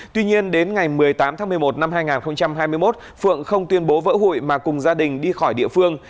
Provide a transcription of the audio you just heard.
tuy nhiên đến ngày một mươi tám tháng một mươi một năm hai nghìn hai mươi một phượng không tuyên bố vỡ hụi mà cùng gia đình đi khỏi địa phương